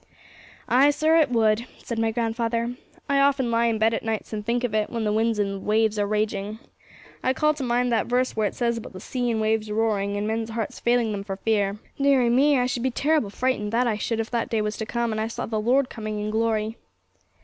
'Ay, sir, it would, said my grandfather; 'I often lie in bed at nights and think of it, when the winds and the waves are raging. I call to mind that verse where it says about the sea and the waves roaring, and men's hearts failing them for fear. Deary me, I should be terrible frightened, that I should, if that day was to come, and I saw the Lord coming in glory.'